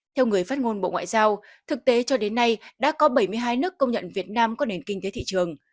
theo người phát ngôn bộ ngoại giao thực tế cho đến nay đã có bảy mươi hai nước công nhận việt nam có nền kinh tế thị trường